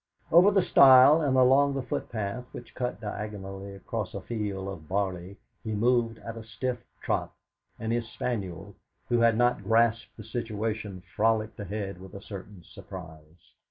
Over the stile and along the footpath which cut diagonally across a field of barley he moved at a stiff trot, and his spaniel, who had not grasped the situation, frolicked ahead with a certain surprise.